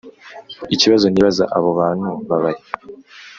ikibazo nibaza abo bantu babahe